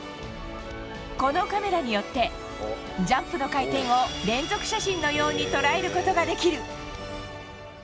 このカメラによってジャンプの回転を連続写真のように捉えることができる。